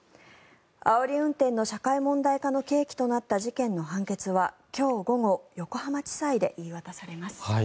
あおり運転の社会問題化の契機となった事件の判決は今日午後横浜地裁で言い渡されます。